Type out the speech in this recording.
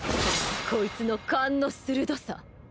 こいつの勘の鋭さ